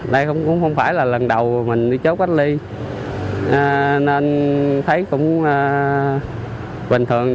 đây cũng không phải là lần đầu mình đi chốt cách ly nên thấy cũng bình thường